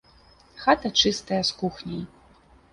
Хата чыстая з кухняй.